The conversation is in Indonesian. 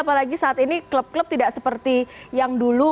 apalagi saat ini klub klub tidak seperti yang dulu